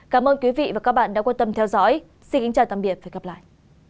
cảm ơn quý vị và các bạn đã quan tâm theo dõi xin kính chào và hẹn gặp lại